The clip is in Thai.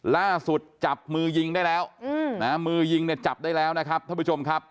ล่าสุดจับมือยิงได้แล้วมือยิงเนี่ยจับได้แล้วนะครับท่านผู้ชมครับ